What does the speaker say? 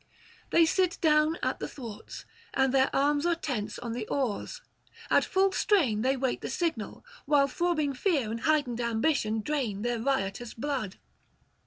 They sit down at the thwarts, and their arms are tense on the oars; at full strain they wait the signal, while throbbing fear and heightened ambition drain their riotous blood.